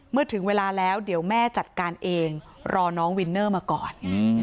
ถึงเวลาแล้วเดี๋ยวแม่จัดการเองรอน้องวินเนอร์มาก่อน